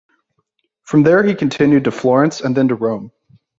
From there he continued to Florence and then to Rome.